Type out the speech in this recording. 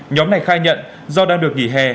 nhóm này khai nhận do đang được nghỉ hè